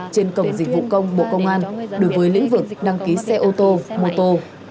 trên cổng dịch vụ công bộ công an đối với lĩnh vực đăng ký xe ô tô mô tô